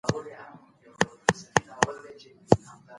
په ښوونځي کي وهل ټکول ګټه نه لري.